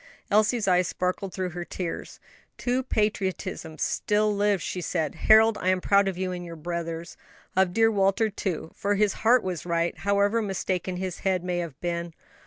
Elsie's eyes sparkled through her tears. "True patriotism still lives!" she said. "Harold, I am proud of you and your brothers. Of dear Walter, too; for his heart was right, however mistaken his head may have been."